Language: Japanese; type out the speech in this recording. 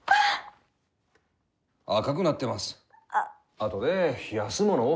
あとで冷やすものを。